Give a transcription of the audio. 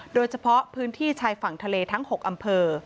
โดยเฉพาะพื้นที่ชายฝั่งทะเลทั้ง๖อำเภอ